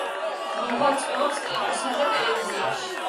მოღვაწეობს კინოსა და ტელევიზიაში.